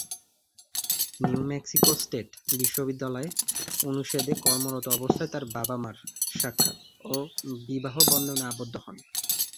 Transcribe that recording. New Mexico state বিশ্ববিদ্যালয়ে অনুষদে কর্মরত অবস্থায় তাঁর বাবা-মা'র সাক্ষাত ও বিবাহবন্ধনে আবদ্ধ হন।